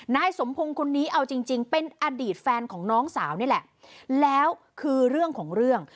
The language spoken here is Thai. นายสมพงศ์คนนี้เอาจริงจริงเป็นอดีตแฟนของน้องสาวนี่แหละแล้วคือเรื่องของเรื่อง